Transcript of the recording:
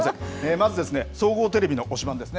まず総合テレビの推しバン！ですね。